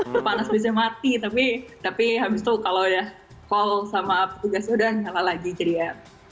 air panas biasanya mati tapi tapi habis itu kalau ya call sama tugasnya udah nyala lagi jadi ya